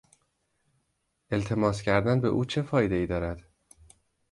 التماس کردن به او چه فایدهای دارد؟